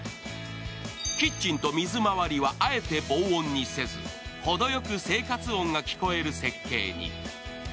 キッチンと水回りは、あえて防音にせず、程よく生活音が聞こえる設計に。